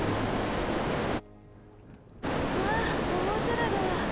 わあ青空だ！